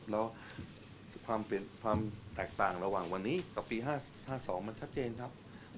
แล้วความแตกต่างระหว่างวันนี้กับปี๕๒มันชัดเจนครับ